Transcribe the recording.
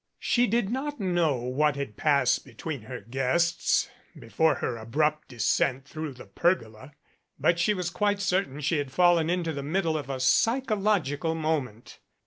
She did not know what had passed between her guests before her abrupt descent through the pergola, but she was quite certain she had fallen into the middle of a psychological moment.